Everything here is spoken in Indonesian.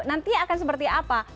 nanti akan seperti apa